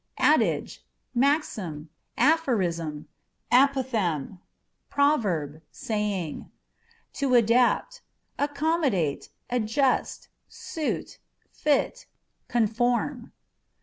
Adage â€" maxim, aphorism, apophthegm, proverb, saying. To Adapt â€" accommodate, adjust, suit, fit, conform.